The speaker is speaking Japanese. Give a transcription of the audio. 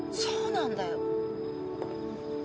そうなんだよ。